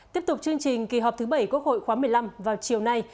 tiếp tục chương trình kỳ họp thứ bảy quốc hội khóa một mươi năm vào chiều nay